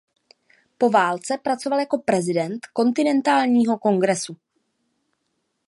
Po válce pracoval jako prezident Kontinentálního kongresu.